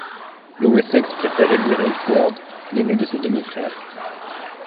Le Wessex préfère élire Ælfweard, l'aîné de ses demi-frères.